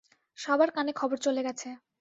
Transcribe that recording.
সবার কানে খবর চলে গেছে।